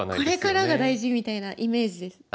これからが大事みたいなイメージです。